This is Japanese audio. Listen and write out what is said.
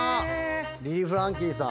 リリー・フランキーさん。